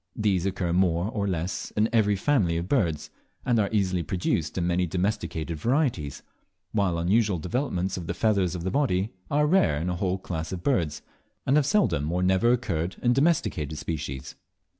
These occur more, or less in every family of birds, and are easily produced in many domesticated varieties, while unusual developments of the feathers of the body are rare in the whole class of birds, and have seldom or never occurred in domesticated species.